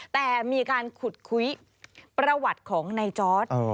แต่มีการขุดคุยประวัติของนายจอร์ด